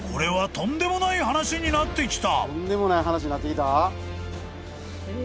とんでもない話になってきた？